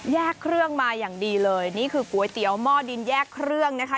เครื่องมาอย่างดีเลยนี่คือก๋วยเตี๋ยวหม้อดินแยกเครื่องนะคะ